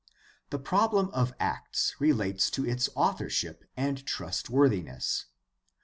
The problem of Acts relates to its authorship and trust worthiness.